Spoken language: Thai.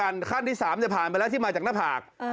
แต่ขั้นที่สามจะผ่านไปแล้วที่มาจากหน้าผากอืม